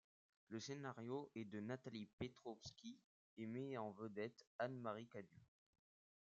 Le scénario est de Nathalie Petrowski et met en vedette Anne-Marie Cadieux.